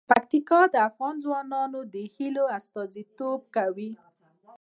پکتیکا د افغان ځوانانو د هیلو استازیتوب کوي.